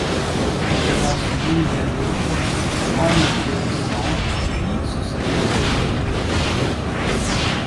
Elles avancent l’une vers l’autre en applaudissant puis se saluent au filet.